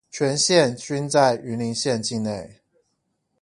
全線均在雲林縣境內